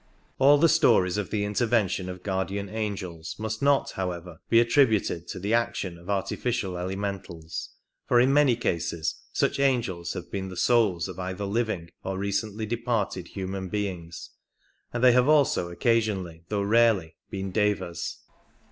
All the stories of the intervention of guardian angels must not, however, be attributed to the action of artificial elementals, for in many cases such "angels" have been the souls of either living or recently departed human beings, and they have also occasionally, though rarely, been Devas.